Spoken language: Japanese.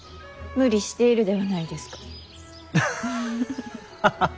無理しているではないですか。